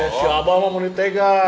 eh si abah mau menitika